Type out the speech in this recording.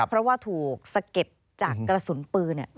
เพราะว่าถูกสะเก็ดจากกระสุนปืน